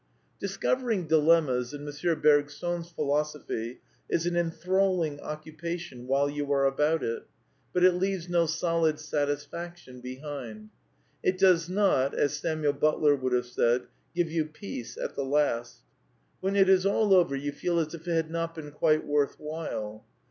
Discovering dilemmas in M. Bergson's philosophy is an enthralling occupation while you are about it ; but it leaves no solid satisfaction behind. It does not, as Samuel But ler would have said, give you " peace at the last." When it is all over you feel as if it had not been quite worth while.